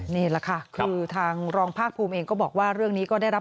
นี่แหละค่ะคือทางรองภาคภูมิเองก็บอกว่าเรื่องนี้ก็ได้รับ